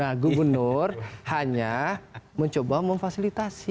nah gubernur hanya mencoba memfasilitasi